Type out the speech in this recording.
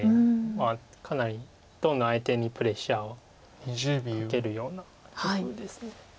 まあかなりどんな相手にプレッシャーをかけるような棋風です。